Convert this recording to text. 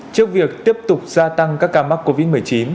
trước việc tiếp tục gia tăng các ca mắc covid một mươi chín